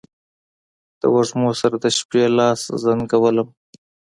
د وږمو سره، د شپې لاس زنګولم